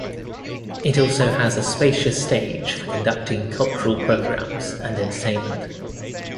It also has a spacious stage for conducting cultural programmes and entertainment.